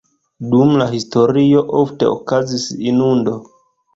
Dum la historio ofte okazis inundo.